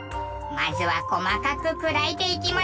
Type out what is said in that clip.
まずは細かく砕いていきます。